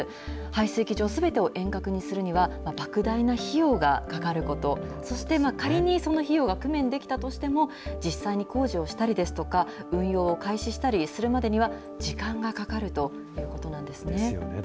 排水機場すべてを遠隔にするには、ばく大な費用がかかること、そして、仮にその費用が工面できたとしても、実際に工事をしたりですとか、運用を開始したりするまでには時間がかかるということなんですよね。